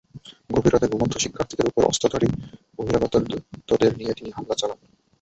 গভীর রাতে ঘুমন্ত শিক্ষার্থীদের ওপর অস্ত্রধারী বহিরাগতদের নিয়ে তিনি হামলা চালান।